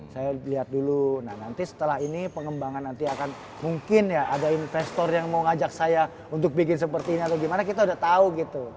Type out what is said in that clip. saya lihat dulu nah nanti setelah ini pengembangan nanti akan mungkin ya ada investor yang mau ngajak saya untuk bikin seperti ini atau gimana kita udah tahu gitu